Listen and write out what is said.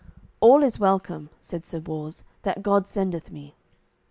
"All is welcome," said Sir Bors, "that God sendeth me."